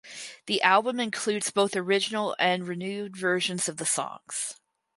The album includes both original and renewed version of the songs.